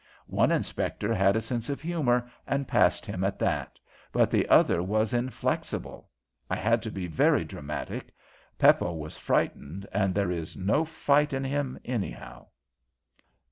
One inspector had a sense of humour, and passed him at that, but the other was inflexible. I had to be very dramatic. Peppo was frightened, and there is no fight in him, anyhow.